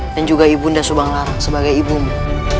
dan juga ibu nda subang lara sebagai ibumu